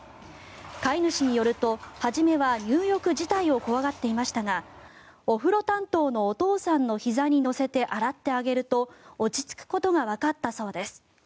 飼い主によると、初めは入浴自体を怖がっていましたがお風呂担当のお父さんのひざに乗せて洗ってあげると落ち着くことがわかったそうです。